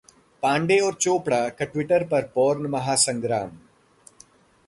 पांडे और चोपड़ा का ट्विटर पर पोर्न महासंग्राम